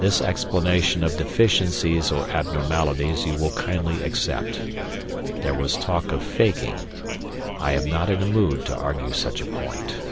This explanation of deficiencies or abnormalities you will kindly accept. There was talk of faking. I am not in a mood to argue such a point."